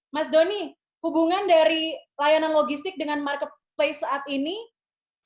mas doni hubungan dari layanan logistik dengan marketplace saat ini